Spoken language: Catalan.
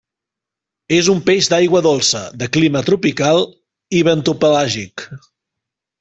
És un peix d'aigua dolça, de clima tropical i bentopelàgic.